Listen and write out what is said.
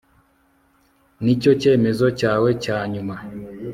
nicyo cyemezo cyawe cya nyuma